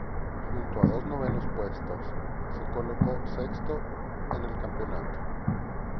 Junto a dos novenos puestos, se colocó sexto en el campeonato.